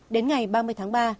đến ngày ba mươi tháng ba